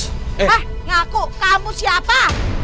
hah ngaku kamu siapa